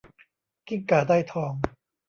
กิ้งก่าได้ทอง